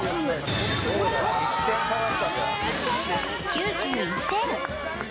９１点！